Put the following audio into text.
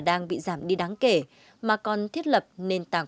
đang bị giảm đi đáng kể mà còn thiết lập nền tảng